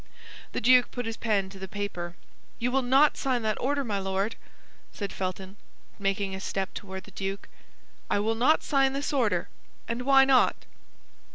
The duke put his pen to the paper. "You will not sign that order, my Lord!" said Felton, making a step toward the duke. "I will not sign this order! And why not?"